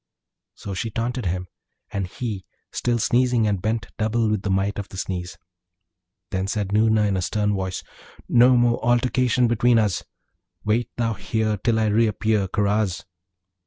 So she taunted him, and he still sneezing and bent double with the might of the sneeze. Then said Noorna in a stern voice, 'No more altercation between us! Wait thou here till I reappear, Karaz!'